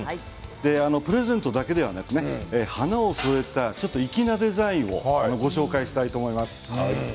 プレゼントだけではなく花を添えたちょっと粋なデザインをご紹介したいと思います。